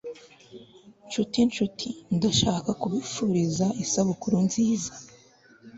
nshuti nshuti, ndashaka kubifuriza isabukuru nziza